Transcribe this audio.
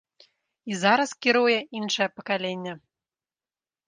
І зараз кіруе іншае пакаленне.